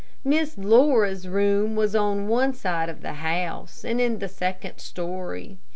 Miss Laura's room was on one side of the house, and in the second story.